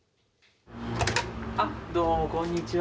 どうもこんにちは。